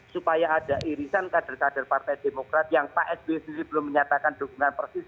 supaya ada irisan kader kader partai demokrat yang pak sby sendiri belum menyatakan dukungan persis